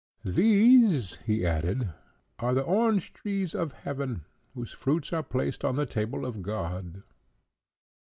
"These," he added, "are the orange trees of heaven, whose fruits are placed on the table of God."